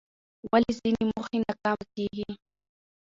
ولې ځینې موخې ناکامه کېږي؟